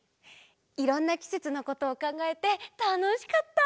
いろんなきせつのことをかんがえてたのしかった！